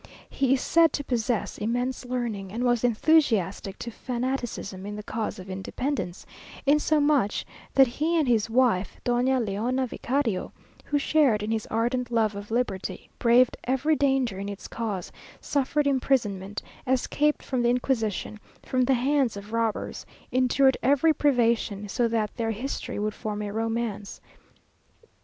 He is said to possess immense learning, and was enthusiastic to fanaticism in the cause of independence; insomuch that he and his wife, Doña Leona Vicario, who shared in his ardent love of liberty, braved every danger in its cause, suffered imprisonment, escaped from the Inquisition, from the hands of robbers, endured every privation, so that their history would form a romance.